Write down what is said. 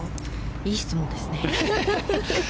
いい質問ですね。